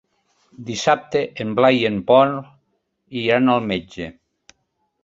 Dissabte en Blai i en Pol iran al metge.